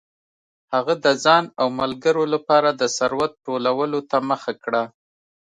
هغه د ځان او ملګرو لپاره د ثروت ټولولو ته مخه کړه.